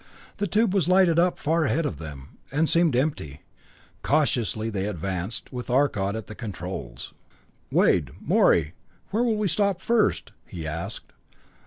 The tube was lighted up far ahead of them, and seemed empty. Cautiously they advanced, with Arcot at the controls. "Wade Morey where will we stop first?" he asked.